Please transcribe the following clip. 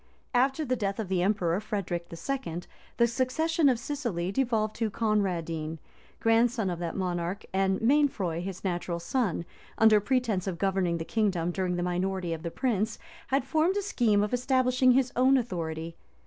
After the death of the emperor Frederic II., the succession of Sicily devolved to Conradine, grandson of that monarch; and Mainfroy, his natural son, under pretence of governing the kingdom during the minority of the prince, had formed a scheme of establishing his own authority.